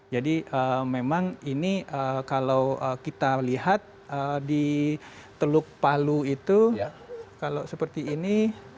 jadi memang ini kalau kita lihat di teluk palu itu kalau seperti ini